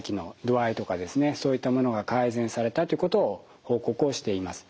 そういったものが改善されたということを報告をしています。